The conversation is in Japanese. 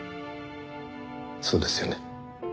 そうですよね？